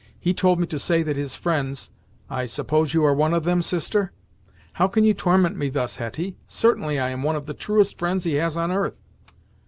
He told me to say that his friends I suppose you are one of them, sister?" "How can you torment me thus, Hetty! Certainly, I am one of the truest friends he has on earth."